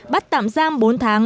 bắt tạm giam bốn tháng